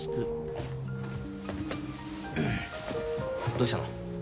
どうしたの？